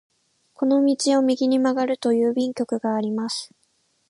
この道を右に曲がると郵便局があります。